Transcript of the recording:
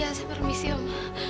ya saya permisi om